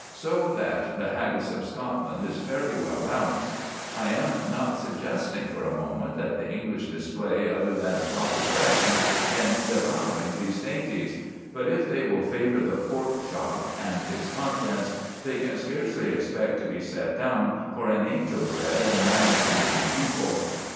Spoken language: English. So that the haggis of Scotland is fairly well balanced. I am not suggesting for a moment that the English display other than a proper judgment in devouring these dainties. But if they will favour the pork shop and its contents, they can scarcely expect to be set down for an angel bread and manna eating people.